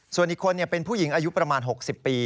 ส่วนอีกคนเป็นผู้หญิงอายุประมาณ๖๐ปี